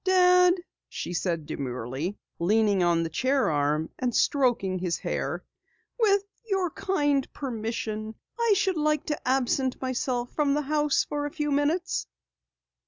"Dad," she said demurely, leaning on the chair arm and stroking his hair, "with your kind permission I should like to absent myself from the house for a few minutes."